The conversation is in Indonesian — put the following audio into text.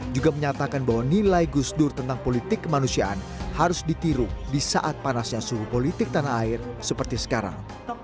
juga menyatakan bahwa nilai gusdur tentang politik kemanusiaan harus ditiru disaat panasnya suhu politik tanah air seperti sekarang